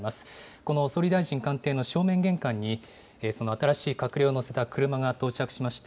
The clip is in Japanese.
この総理大臣官邸の正面玄関に、新しい閣僚を乗せた車が到着しまして、